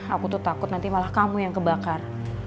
aku tuh takut nanti malah kamu yang kebakar